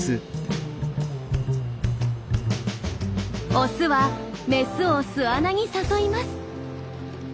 オスはメスを巣穴に誘います。